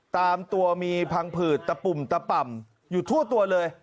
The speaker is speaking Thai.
ตามตัวมีพังผืดตะปุ่มตะป่ำอยู่ทั่วตัวเลย